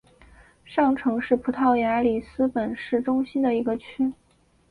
上城是葡萄牙里斯本市中心的一个区。